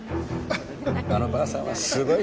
あのばあさんはすごいよ。